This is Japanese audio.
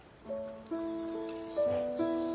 うん。